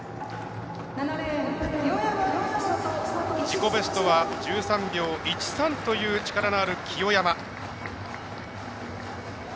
自己ベストは１３秒１３という力のある清山。